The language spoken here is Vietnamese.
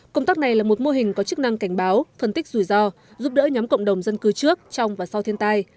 công tác này là một mô hình có chức năng cảnh báo phân tích rủi ro giúp đỡ nhóm cộng đồng dân cư trước trong và sau thiên tai